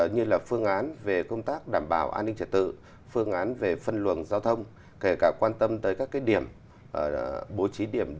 như là phương án về công tác đảm bảo an ninh trật tự phương án về phân luồng giao thông kể cả quan tâm tới các điểm bố trí điểm